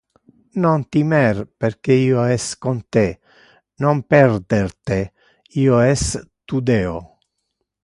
Non timer, perque io es con te; non perder te, io es tu Deo.